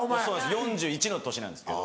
４１の年なんですけど。